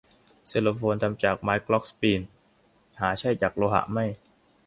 ไซโลโฟน ทำจากไม้กล็อคสปีล หาใช่จากโลหะไม่